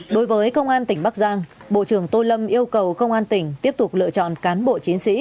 đối với công an tỉnh bắc giang bộ trưởng tô lâm yêu cầu công an tỉnh tiếp tục lựa chọn cán bộ chiến sĩ